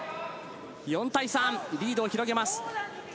４対３、リードを広げます。